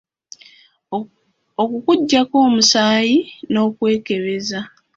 Okukuggyako omusaayi n’okwekebeza.